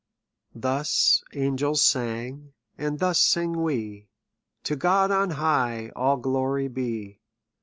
Thus angels sang;, and thus sing we. To God on high all glory be